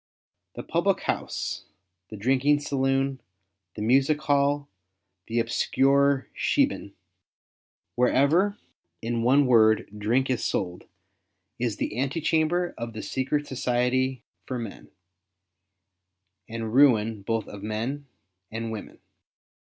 The public house, the drinking saloon, the music hall, the obscure "shebeen," wherever, in one word, drink is sold, is the ante chamber of the secret society for men, and ruin both of men and w^omen.